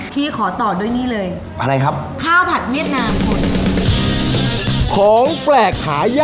พี่ขอต่อด้วยนี่เลย